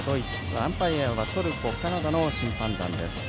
アンパイアはトルコ、カナダの審判団。